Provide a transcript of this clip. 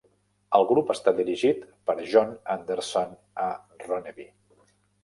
El grup està dirigit per John Andersson a Ronneby.